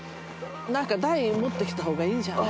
何か台持ってきた方がいいんじゃない？